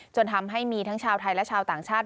จนทำให้มีทั้งชาวไทยและชาวต่างชาติ